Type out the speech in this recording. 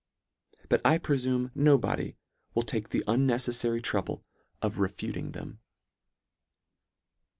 But I prefume nobody will take the unnecefFary trouble of refuting them.